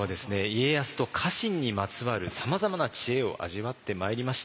家康と家臣にまつわるさまざまな知恵を味わってまいりました。